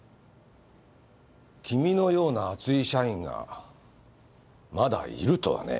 君のような熱い社員がまだいるとはね。